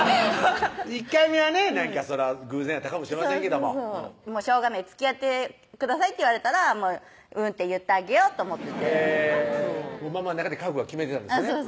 １回目はね偶然やったかもしれませんけども「つきあってください」って言われたら「うん」って言ってあげようと思っててママの中で覚悟は決めてたんですね